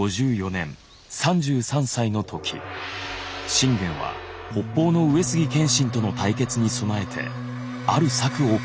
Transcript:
信玄は信玄は北方の上杉謙信との対決に備えてある策を講じていた。